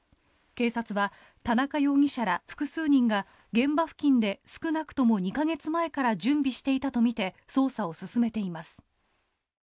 警察は田中容疑者ら複数人が現場付近で少なくとも２か月前から準備していたとみて捜査を進めています。